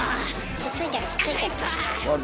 つっついてるつっついてる。